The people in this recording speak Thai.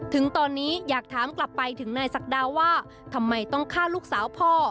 ถึงตอนนี้อยากถามกลับไปถึงนายศักดาว่าทำไมต้องฆ่าลูกสาวพ่อ